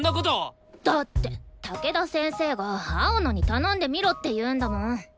だって武田先生が青野に頼んでみろって言うんだもん。